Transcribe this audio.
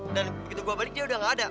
dan begitu gue balik dia udah gak ada